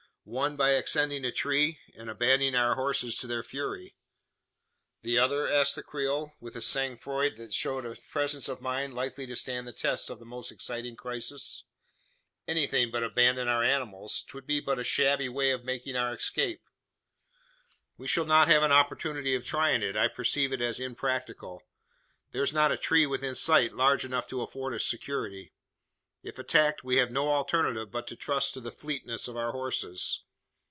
One, by ascending a tree, and abandoning our horses to their fury." "The other?" asked the Creole, with a sang froid that showed a presence of mind likely to stand the test of the most exciting crisis. "Anything but abandon our animals! 'Twould be but a shabby way of making our escape!" "We shall not have an opportunity of trying it, I perceive it is impracticable. There's not a tree within sight large enough to afford us security. If attacked, we have no alternative but to trust to the fleetness of our horses.